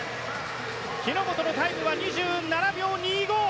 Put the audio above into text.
日本のタイムは２７秒２５。